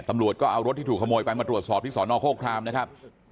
ตำรวจก็เอารถที่ถูกขโมยไปมาตรวจสอบที่สอนอโฆครามนะครับ